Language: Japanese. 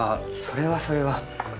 それはそれは。